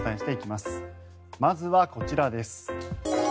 まずはこちらです。